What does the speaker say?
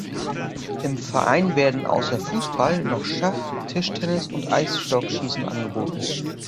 Im Verein werden außer Fußball noch Schach, Tischtennis und Eisstockschießen angeboten.